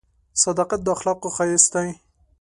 • صداقت د اخلاقو ښایست دی.